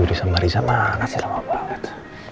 udah sama riza mana sih lama banget